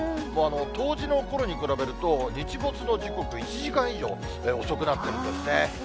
もう冬至のころに比べると日没の時刻、１時間以上遅くなってるんですね。